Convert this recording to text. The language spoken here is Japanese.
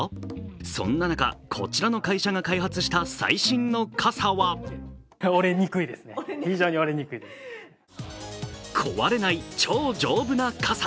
そんな中、こちらの会社が開発した最新の傘は壊れない、超丈夫な傘。